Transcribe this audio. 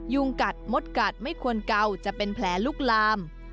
ยุงกัดมดกัดไม่ควรเกาจะเป็นแผลลุกลาม